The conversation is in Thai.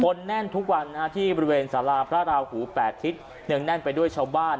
แน่นทุกวันที่บริเวณสาราพระราหูแปดทิศเนื่องแน่นไปด้วยชาวบ้าน